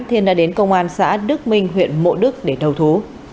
thiên đã đến công an xã đức minh huyện mộ đức để đầu thú